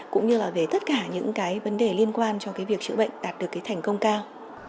cũng như là về tất cả những cái vấn đề liên quan cho cái việc chữa bệnh đạt được cái thành công cao